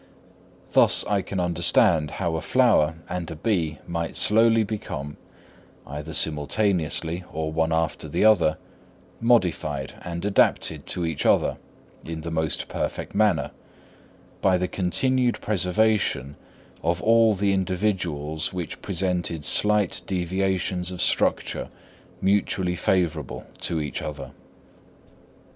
Thus I can understand how a flower and a bee might slowly become, either simultaneously or one after the other, modified and adapted to each other in the most perfect manner, by the continued preservation of all the individuals which presented slight deviations of structure mutually favourable to each other.